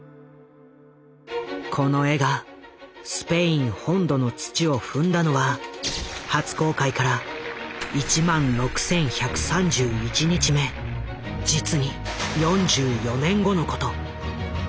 この絵がスペイン本土の土を踏んだのは初公開から１６，１３１日目実に４４年後のこと。